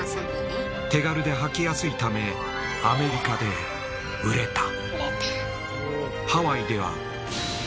手軽で履きやすいためアメリカで売れた。